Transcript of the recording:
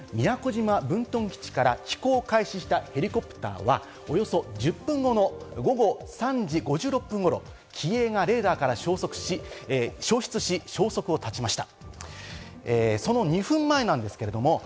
陸上自衛隊によりますと、６日午後３時４６分頃、沖縄県宮古島分屯基地から飛行を開始したヘリコプターはおよそ１０分後の午後３時５６分頃、機影がレーダーから消失し、消息を絶ちました。